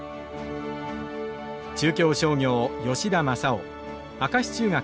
中京商業吉田正男明石中学